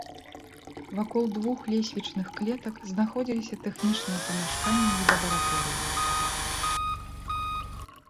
Вакол двух лесвічных клетак знаходзіліся тэхнічныя памяшканні і лабараторыі.